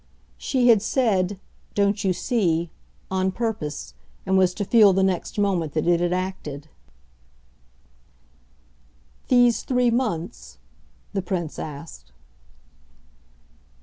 She had said "Don't you see?" on purpose, and was to feel the next moment that it had acted. "These three months'?" the Prince asked.